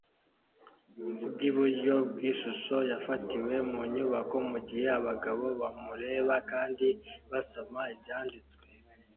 bwiburyo bwishusho yafatiwe mu nyubako mugihe abagabo bamureba kandi basoma ibyanditswe